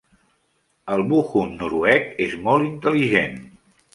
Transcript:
El Buhund noruec és molt intel·ligent.